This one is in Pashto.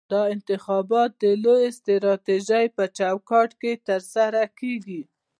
دا انتخاب د لویې سټراټیژۍ په چوکاټ کې ترسره کیږي.